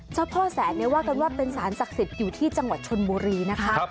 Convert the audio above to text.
เจ้าพ่อแสนเนี่ยว่ากันว่าเป็นสารศักดิ์สิทธิ์อยู่ที่จังหวัดชนบุรีนะคะ